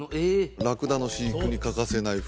ラクダの飼育に欠かせない袋